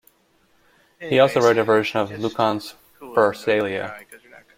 He also wrote a version of Lucan's Pharsalia.